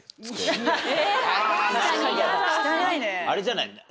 あれじゃない？